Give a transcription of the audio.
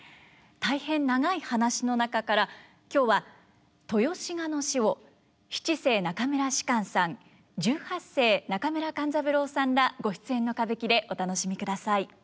大変長い話の中から今日は「豊志賀の死」を七世中村芝翫さん十八世中村勘三郎さんらご出演の歌舞伎でお楽しみください。